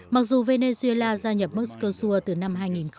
mặc dù venezuela gia nhập mercosur từ năm hai nghìn một mươi hai